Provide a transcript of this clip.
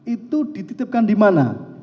itu dititipkan dimana